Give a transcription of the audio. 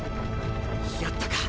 やったか？